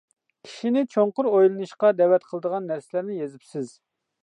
كىشىنى چوڭقۇر ئويلىنىشقا دەۋەت قىلىدىغان نەرسىلەرنى يېزىپسىز.